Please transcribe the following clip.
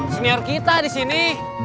senior kita disini